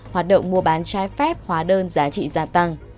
hoạt động mua bán trái phép hóa đơn giá trị gia tăng